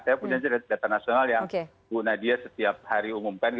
saya punya data nasional yang bu nadia setiap hari umumkan